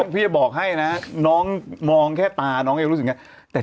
พี่จะบอกให้นะน้องมองแค่ตาน้องเองรู้สึกอย่างนั้น